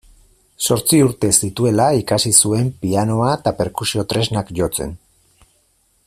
Zortzi urte zituela ikasi zuen pianoa eta perkusio-tresnak jotzen.